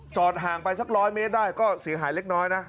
ห่างไปสัก๑๐๐เมตรได้ก็เสียหายเล็กน้อยนะ